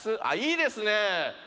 あっいいですねえ。